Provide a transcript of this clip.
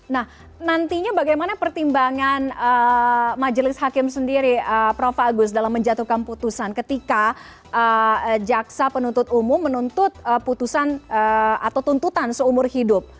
nah nantinya bagaimana pertimbangan majelis hakim sendiri prof agus dalam menjatuhkan putusan ketika jaksa penuntut umum menuntut putusan atau tuntutan seumur hidup